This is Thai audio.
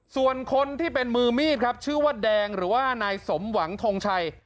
ส่วนคนที่เป็นมือมีดครับชื่อว่าแดงหรือว่านายสมหวังทงชัย